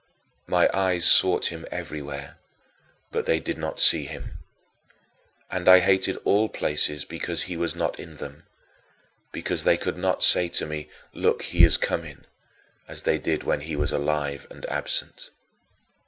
My eyes sought him everywhere, but they did not see him; and I hated all places because he was not in them, because they could not say to me, "Look, he is coming," as they did when he was alive and absent.